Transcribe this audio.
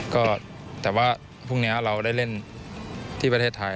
ก็แต่ว่าพรุ่งนี้เราได้เล่นที่ประเทศไทย